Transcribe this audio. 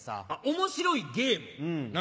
面白いゲーム何？